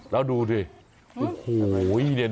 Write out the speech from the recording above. แล้วดูดูดิ